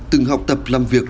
từng học tập làm việc